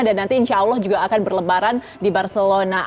dan nanti insya allah juga akan berlebaran di barcelona